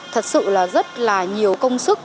thật sự là rất là nhiều công sức